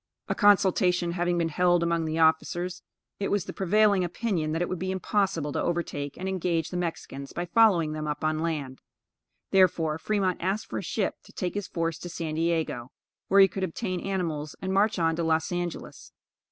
A consultation having been held among the officers, it was the prevailing opinion that it would be impossible to overtake and engage the Mexicans by following them up on land; therefore Fremont asked for a ship to take his force to San Diego, where he could obtain animals and march on to Los Angelos.